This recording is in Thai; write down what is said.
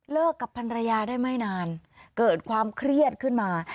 กับพันรยาได้ไม่นานเกิดความเครียดขึ้นมา